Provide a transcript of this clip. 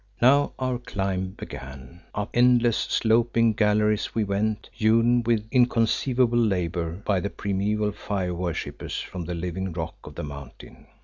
Now our climb began. Up endless sloping galleries we went, hewn with inconceivable labour by the primeval fire worshippers from the living rock of the Mountain.